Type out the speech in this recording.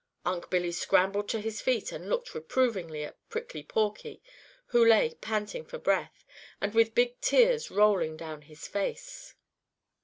Unc' Billy scrambled to his feet and looked reprovingly at Prickly Porky, who lay panting for breath, and with big tears rolling down his face.